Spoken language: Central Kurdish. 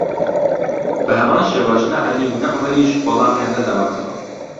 بەهەمان شێوەش نە عەلی و نە عومەریش وەڵامیان نەداوەتەوە